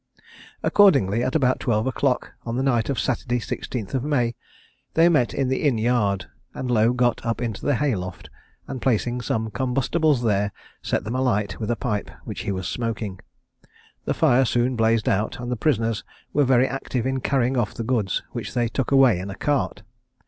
Accordingly at about twelve o'clock on the night of Saturday, 16th May, they met in the inn yard, and Lowe got up into the hay loft, and placing some combustibles there, set them alight with a pipe, which he was smoking. The fire soon blazed out, and the prisoners were very active in carrying off the goods, which they took away in a cart.